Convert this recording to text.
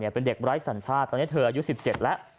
เป็นเด็กไร้สัญชาติตอนนี้เธออายุ๑๗แล้ว